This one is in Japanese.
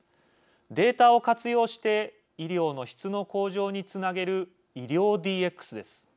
データを活用して医療の質の向上につなげる医療ＤＸです。